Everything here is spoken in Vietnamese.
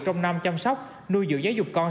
trong năm chăm sóc nuôi dự giáo dục con